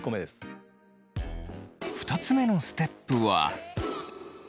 ２つ目のステップは。